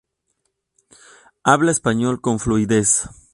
Habla español con fluidez.